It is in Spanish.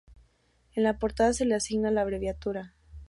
En la portada se le asigna la abreviatura.